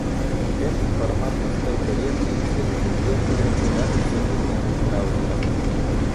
Этот формат настолько редкий, что не поддерживается даже в современных браузерах.